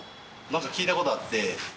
なんか聞いたことあって。